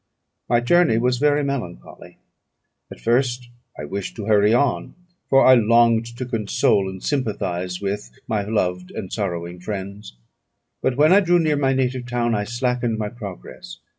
My journey was very melancholy. At first I wished to hurry on, for I longed to console and sympathise with my loved and sorrowing friends; but when I drew near my native town, I slackened my progress.